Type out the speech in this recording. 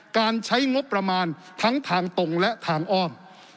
การใช้งบประมาณทั้งทางตรงและทางอ้อม